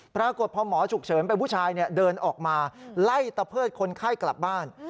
ปรากฏพอหมอฉุกเฉินเป็นผู้ชายเดินออกมาไล่ตะเพิดคนไข้กลับบ้าน